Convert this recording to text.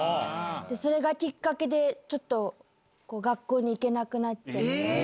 それがきっかけで、ちょっと学校に行けなくなっちゃって。